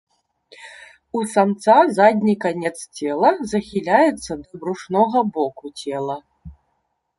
У самца задні канец цела захіляецца да брушнога боку цела.